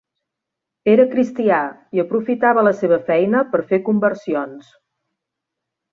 Era cristià i aprofitava la seva feina per fer conversions.